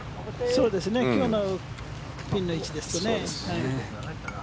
今日のピンの位置ですとね。